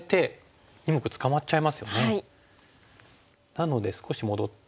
なので少し戻って。